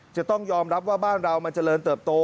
จะต้องยอมรับว่าบ้านเรามันเจริญเติบโต